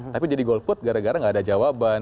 tapi jadi golput gara gara gak ada jawaban